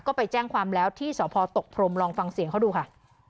ก็ไปแจ้งความแล้วที่สพตกพรมลองฟังเสียงเขาดูค่ะ